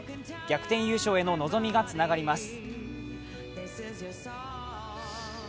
逆転優勝への望みがつながります。